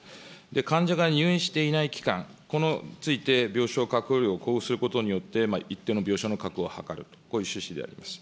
患者が入院していない期間、これについて病床確保料を交付することによって、一定の病床の確保を図ると、こういう趣旨であります。